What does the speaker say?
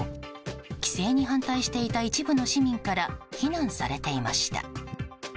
規制に反対していた、一部の市民から非難されていました。